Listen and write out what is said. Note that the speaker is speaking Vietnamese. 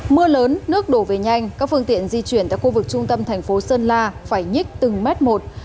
mưa lớn nước đổ về nhanh các phương tiện di chuyển tại khu vực trung tâm thành phố sơn la phải nhích từng mét một